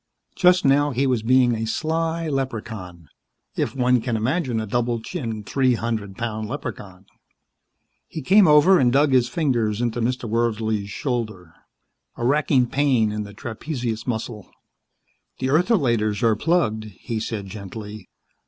Just now he was being a sly leprechaun, if one can imagine a double chinned, three hundred pound leprechaun. He came over and dug his fingers into Mr. Wordsley's shoulder. A wracking pain in the trapezius muscle. "The ertholaters are plugged," he said gently.